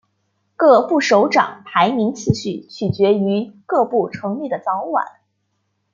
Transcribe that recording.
各部首长排名次序取决于各部成立的早晚。